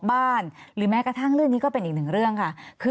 หรือแม้กระทั่งเรื่องนี้ก็เป็นอีกหนึ่งเรื่องค่ะคือ